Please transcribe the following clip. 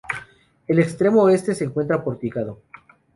El extremo oeste se encuentra porticado.